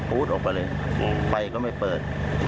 ออกไปเลยไฟก็ไม่เปิด